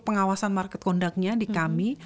pengawasan market conductnya di kami